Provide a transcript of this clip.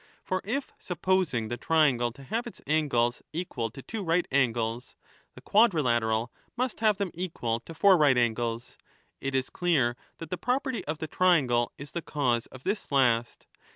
For if, supposing the triangle to have its angles equal to two right angles, the quadrilateral must have them equal to four right angles, it is clear that the property of the triangle is the cause of this last.